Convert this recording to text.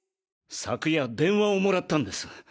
昨夜電話をもらったんです。